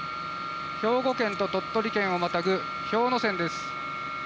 兵庫県と鳥取県をまたぐ氷ノ山です。